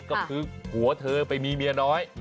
ก็คือผัวเธอไปมีเมียน้อย